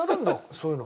そういうの。